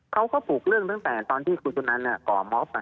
เขาก็ฝูกเรื่องตอนที่คุณจนันทร์น่ะก่อมฮอบค่ะ